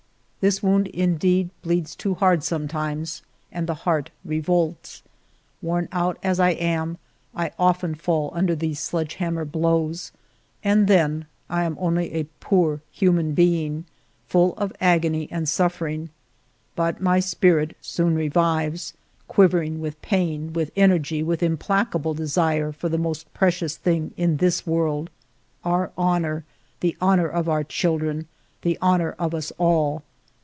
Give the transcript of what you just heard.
..." This wound indeed bleeds too hard sometimes, and the heart revolts. Worn out as I am, I often fall under these sledge hammer blows, and then I am only a poor human being, full of agony and suffering ; but my spirit soon revives, quivering with pain, with energy, with implacable desire for the most precious thing in this world, our honor, the honor of our children, the honor of us all.